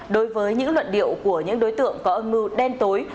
đối với những luận điệu của những đối tượng có âm mưu đen tối